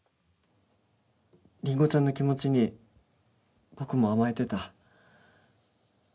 りんごちゃんの気持ちに僕も甘えてた